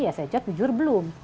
ya saya cek jujur belum